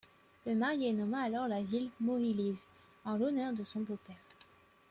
Le marié nomma alors la ville Mohyliv en l'honneur de son beau-père.